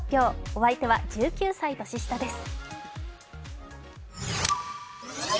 お相手は１９歳年下です。